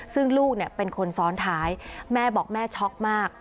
ซึ่งลูกเป็นคนซ้อนท้ายแม่บอกแม่ช็อกมาก